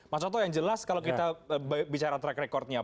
mas toto yang jelas kalau kita bicara track recordnya